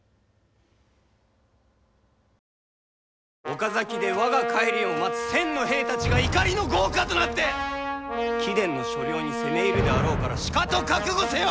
岡崎で我が帰りを待つ１，０００の兵たちが怒りの業火となって貴殿の所領に攻め入るであろうからしかと覚悟せよ！